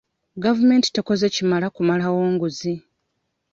Gavumenti tekoze kimala kumalawo nguzi.